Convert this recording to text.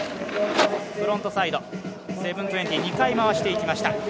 フロントサイド７２０２回、回していきました。